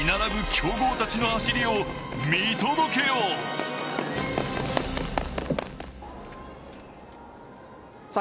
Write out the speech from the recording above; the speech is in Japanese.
強豪たちの走りを見届けようさあ